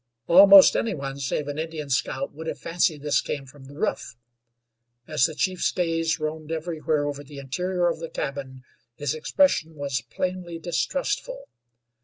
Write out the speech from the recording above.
Almost any one save an Indian scout would have fancied this came from the roof. As the chief's gaze roamed everywhere over the interior of the cabin his expression was plainly distrustful.